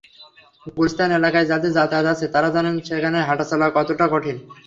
গুলিস্তান এলাকায় যাঁদের যাতায়াত আছে, তারা জানেন, সেখানে হাঁটাচলা করা কতটা কঠিন।